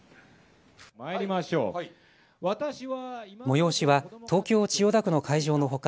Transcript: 催しは東京千代田区の会場のほか